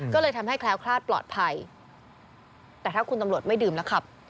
ก็เลยทำให้แคล้วคลาดปลอดภัยแต่ถ้าคุณตำรวจไม่ดื่มแล้วขับ